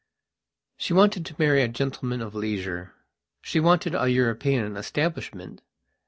She wanted to marry a gentleman of leisure; she wanted a European establishment.